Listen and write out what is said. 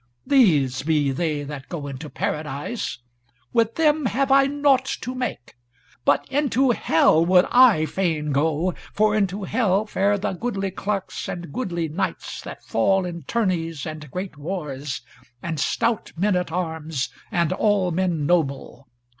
These be they that go into Paradise, with them have I naught to make. But into Hell would I fain go; for into Hell fare the goodly clerks, and goodly knights that fall in tourneys and great wars, and stout men at arms, and all men noble.